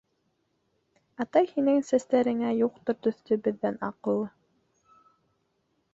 Атай һинең сәстәреңә Юҡтыр төҫлө беҙҙән аҡыллы.